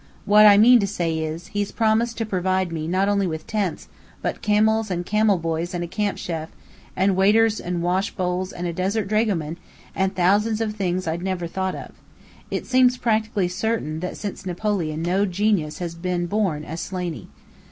What I mean to say is, he's promised to provide me not only with tents, but camels and camel boys and a camp chef, and waiters and washbowls and a desert dragoman, and thousands of things I'd never thought of. It seems practically certain that since Napoleon no such genius has been born as Slaney.